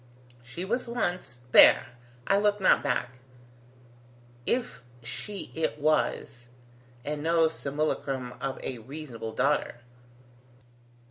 She was once ... there: I look not back if she it was, and no simulacrum of a reasonable daughter.